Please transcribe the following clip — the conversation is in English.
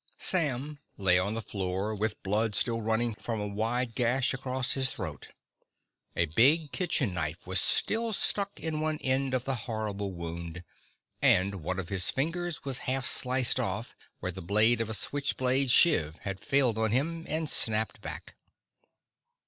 Sam lay on the floor, with blood still running from a wide gash across his throat. A big kitchen knife was still stuck in one end of the horrible wound. And one of his fingers was half sliced off where the blade of a switch blade shiv had failed on him and snapped back.